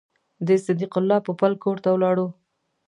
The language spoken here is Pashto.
د صدیق الله پوپل کور ته ولاړو.